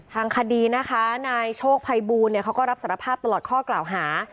ทางคดีนะคะนายโชคภัยบูลเขาก็รับสารภาพตลอดข้อกล่าวหา